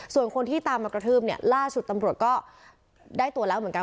ส่วนคนที่ตามมากระทืบเนี่ยล่าสุดตำรวจก็ได้ตัวแล้วเหมือนกัน